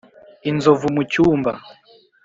inzovu mucyumba